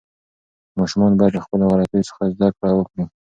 ماشومان باید د خپلو غلطیو څخه زده کړه وکړي.